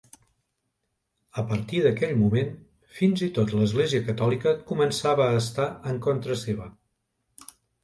A partir d'aquell moment, fins i tot l'Església Catòlica començava a estar en contra seva.